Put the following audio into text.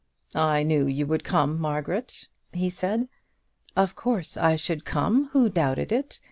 "I knew you would come, Margaret," he said. "Of course I should come; who doubted it?